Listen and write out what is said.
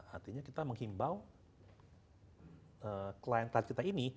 artinya kita menghimbau clientele kita ini